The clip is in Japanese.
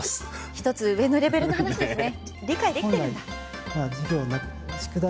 １つ上のレベルの話ですね。